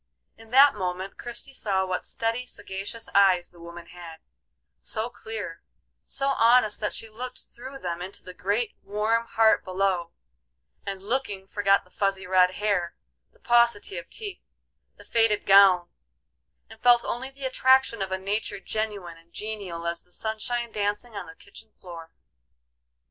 In that moment Christie saw what steady, sagacious eyes the woman had; so clear, so honest that she looked through them into the great, warm heart below, and looking forgot the fuzzy, red hair, the paucity of teeth, the faded gown, and felt only the attraction of a nature genuine and genial as the sunshine dancing on the kitchen floor.